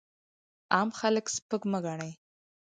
عام خلک سپک مه ګڼئ!